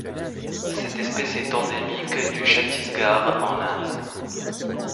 Cette espèce est endémique du Chhattisgarh en Inde.